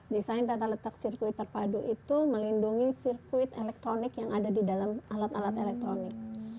desain tata letak sirkuit terpadu itu melindungi sirkuit elektronik yang ada di dalam alat alat elektronik